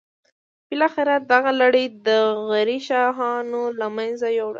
بالاخره دغه لړۍ د غوري شاهانو له منځه یوړه.